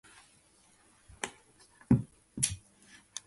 僕は左端のガラスから右端のガラスまで、スーパーの中を確認していく